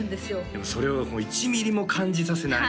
でもそれを１ミリも感じさせない